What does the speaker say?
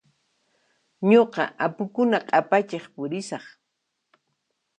Nuqa apukuna q'apachiq pusiraq.